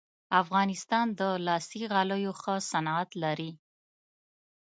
افغانستان د لاسي غالیو ښه صنعت لري